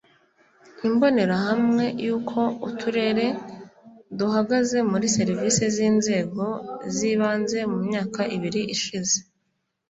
Imbonerahamwe yuko Uturere duhagaze muri serivisi z inzego z ibanze mu myaka ibiri ishize